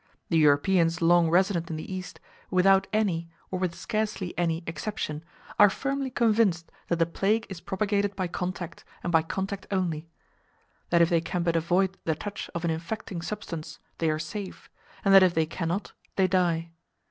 The Europeans long resident in the East, without any, or with scarcely any, exception are firmly convinced that the plague is propagated by contact, and by contact only; that if they can but avoid the touch of an infecting substance they are safe, and that if they cannot, they die.